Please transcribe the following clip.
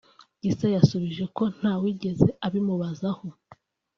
Gisa yasubije ko ntawigeze abimubazaho